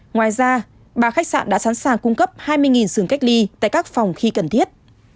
ngoài ra ba khách sạn đã sẵn sàng cung cấp hai mươi sường cách ly tại các phòng khi cần thiết